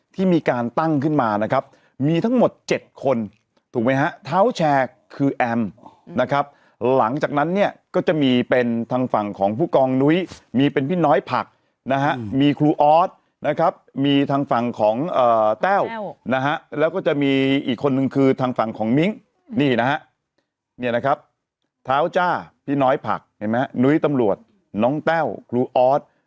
ที่มีการตั้งขึ้นมานะครับมีทั้งหมด๗คนถูกไหมฮะเท้าแชร์คือแอมนะครับหลังจากนั้นเนี่ยก็จะมีเป็นทางฝั่งของผู้กองนุ้ยมีเป็นพี่น้อยผักนะฮะมีครูออสนะครับมีทางฝั่งของแต้วนะฮะแล้วก็จะมีอีกคนนึงคือทางฝั่งของมิ้งนี่นะฮะเนี่ยนะครับเท้าจ้าพี่น้อยผักเห็นไหมนุ้ยตำรวจน้องแต้วครูออส